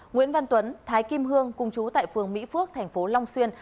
nguyễn văn tuấn thái kim hương cung trú tại phường mỹ phước thành phố long xuyên